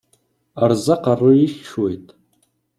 Ṛṛeẓ aqeṛṛu-yik cwiṭ!